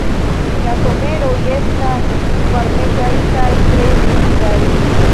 La someroj estas varmegaj kaj tre humidaj.